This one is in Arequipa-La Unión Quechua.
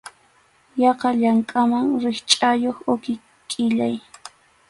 Yaqa llankaman rikchʼakuq uqi qʼillay.